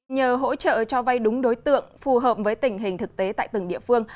nhờ hỗ trợ cho vay đúng đối tượng phù hợp với tình hình thực tế tại từng địa phương